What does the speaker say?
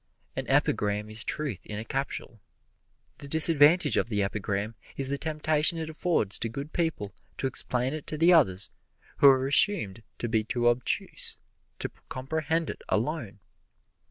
An epigram is truth in a capsule. The disadvantage of the epigram is the temptation it affords to good people to explain it to the others who are assumed to be too obtuse to comprehend it alone.